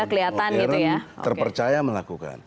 kelihatan gitu ya terpercaya melakukan